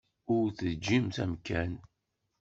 Ur teǧǧimt amkan.